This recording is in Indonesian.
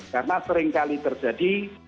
karena sering kali terjadi